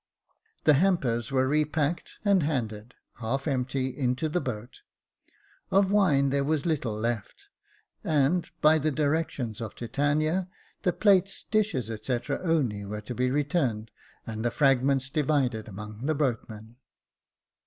The hampers were repacked, and handed, half empty, into the boat. Of wine there was little left ; and, by the directions of Titania, the plates, dishes, &c., only were to be returned, and the fragments divided among the boatmen.